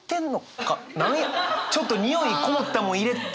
ちょっとにおいこもったもん入れてて。